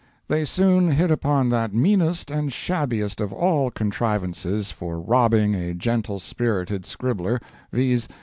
They soon hit upon that meanest and shabbiest of all contrivances for robbing a gentle spirited scribbler, viz.